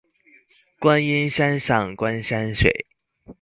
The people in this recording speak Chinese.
观音山上观山水